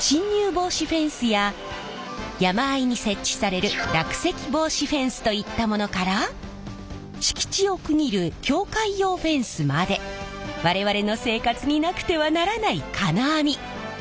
防止フェンスや山あいに設置される落石防止フェンスといったものから敷地を区切る境界用フェンスまで我々の生活になくてはならない金網！